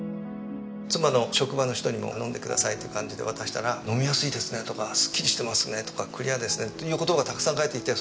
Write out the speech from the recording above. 妻の職場の人にも飲んでくださいって感じで渡したら飲みやすいですねとかすっきりしてますねとかクリアですねっていう言葉がたくさん返ってきて。